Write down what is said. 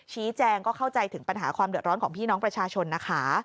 ชี้แจงก็เข้าใจถึงปัญหาความเดือดร้อนของพี่น้องประชาชนนะคะ